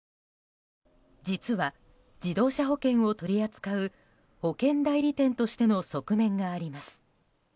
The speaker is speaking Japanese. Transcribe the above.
実は、自動車保険を取り扱う保険代理店としての側面があります。